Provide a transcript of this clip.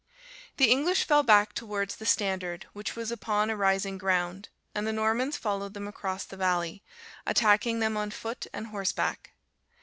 "The English fell back towards the standard, which was upon a rising ground, and the Normans followed them across the valley, attacking them on foot and horseback.